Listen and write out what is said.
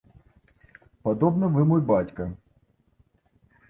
Падобна, вы мой бацька.